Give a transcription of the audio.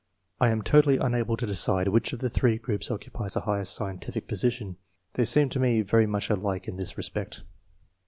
I am totally unable to decide which of the three groups occupies the highest scientific position : they seem to me very much alike in this respect.